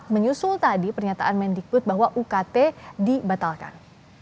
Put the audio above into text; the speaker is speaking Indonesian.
menyusul tadi pernyataan mendikbud bahwa ukt dibatalkan